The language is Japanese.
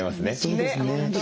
そうですね。